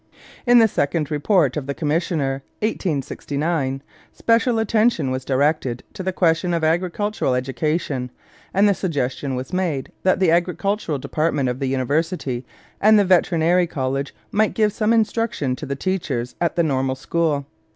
In the second report of the commissioner (1869) special attention was directed to the question of agricultural education, and the suggestion was made that the agricultural department of the university and the veterinary college might give some instruction to the teachers at the normal school.